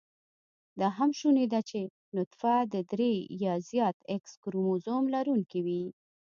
دا هم شونې ده چې نطفه د درې يا زیات x کروموزم لرونېکې وي